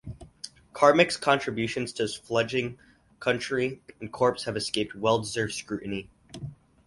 Carmick's contributions to his fledgling country and Corps have escaped well-deserved scrutiny.